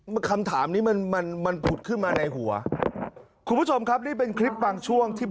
เอากระดาษติ๊งด์ตู้ชีดกุ๊ดตรงนี้